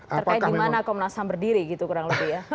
terkait di mana komnas ham berdiri gitu kurang lebih ya